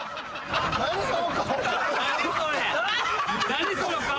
何その顔。